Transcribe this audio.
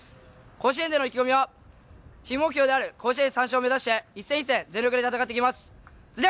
甲子園での意気込みはチーム目標である甲子園３勝を目指して一戦一戦全力で戦っていきます。